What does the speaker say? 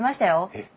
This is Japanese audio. えっ。